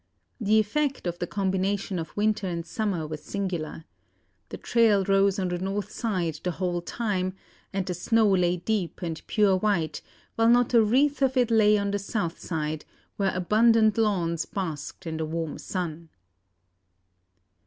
The effect of the combination of winter and summer was singular. The trail rose on the north side the whole time, and the snow lay deep and pure white, while not a wreath of it lay on the south side, where abundant lawns basked in the warm sun."